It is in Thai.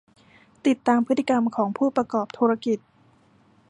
ติดตามพฤติกรรมของผู้ประกอบธุรกิจ